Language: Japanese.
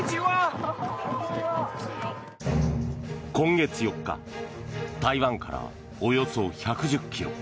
今月４日台湾から、およそ１１０ｋｍ